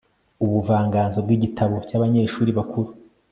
ubuvanganzo bw' igitabo cyabanyeshuri bakuru